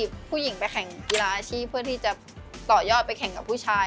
ผู้หญิงไปแข่งกีฬาอาชีพเพื่อที่จะต่อยอดไปแข่งกับผู้ชาย